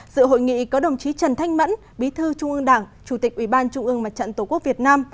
dự hội nghị có đồng chí trần thanh mẫn bí thư trung ương đảng chủ tịch ủy ban trung ương mặt trận tổ quốc việt nam